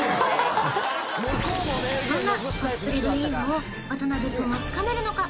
そんなコスプレドリームを渡辺君はつかめるのか？